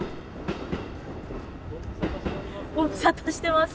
ご無沙汰してます。